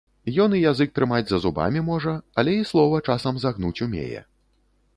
Ён і язык трымаць за зубамі можа, але і слова часам загнуць умее.